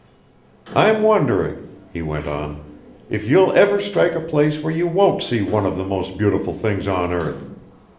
"I'm wondering," he went on, "if you'll ever strike a place where you won't see 'one of the most beautiful things on earth.'